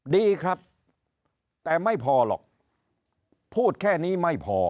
ดีครับแต่ไม่พอหรอกพูดแค่นี้ไม่พอ